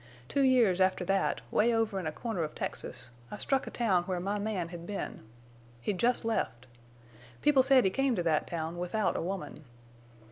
Two years after that, way over in a corner of Texas, I struck a town where my man had been. He'd jest left. People said he came to that town without a woman.